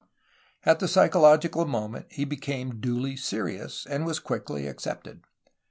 At the psychological moment he became duly "serious," and was quickly accepted.